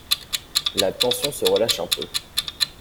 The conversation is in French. La tension se relâche un peu.